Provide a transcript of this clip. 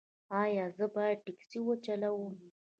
ایا زه باید ټکسي وچلوم؟